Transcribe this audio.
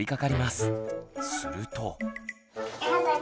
すると。